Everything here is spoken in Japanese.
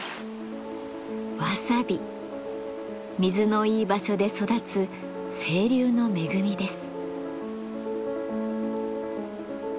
水のいい場所で育つ清流の恵みです。